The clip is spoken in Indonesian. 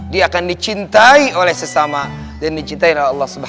dia akan dicintai oleh sesama dan dicintai oleh allah swt